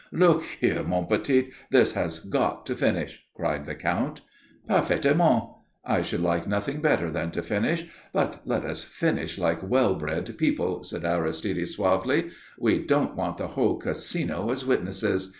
"Look here, mon petit, this has got to finish," cried the Count. "Parfaitement. I should like nothing better than to finish. But let us finish like well bred people," said Aristide suavely. "We don't want the whole Casino as witnesses.